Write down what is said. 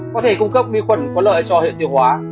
có thể cung cấp vi khuân có lợi cho hiệu thiệu hóa